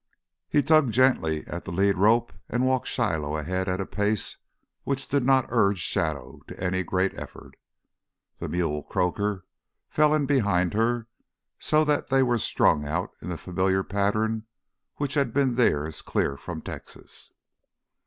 He tugged gently at the lead rope and walked Shiloh ahead at a pace which did not urge Shadow to any great effort. The mule, Croaker, fell in behind her so that they were strung out in the familiar pattern which had been theirs clear from Texas.